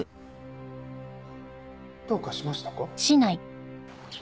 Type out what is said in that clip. どうかしましたか？